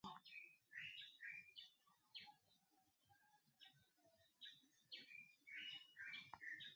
A bɔŋ ma chiʼ lɨʼ ndani.